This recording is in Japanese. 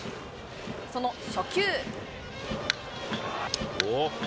その初球。